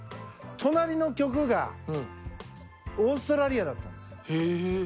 隣の局がオーストラリアだったんですね。